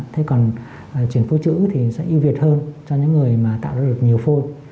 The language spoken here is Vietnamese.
thế còn chuyển phôi trữ thì sẽ yêu việt hơn cho những người mà tạo ra được nhiều phôi